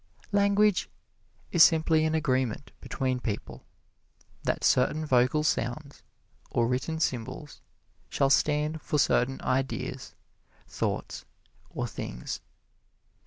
Language is simply an agreement between people that certain vocal sounds, or written symbols, shall stand for certain ideas, thoughts or things.